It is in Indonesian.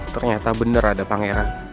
ternyata bener ada pangeran